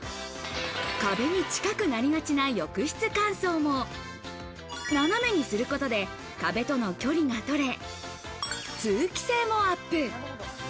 壁に近くなりがちな浴室乾燥も、斜めにすることで壁との距離がとれ、通気性もアップ。